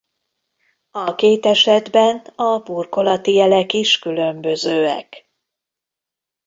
A két esetben a burkolati jelek is különbözőek.